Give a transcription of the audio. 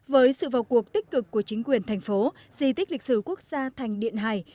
với sự vào cuộc tích cực của chính quyền thành phố di tích lịch sử quốc gia thành điện hải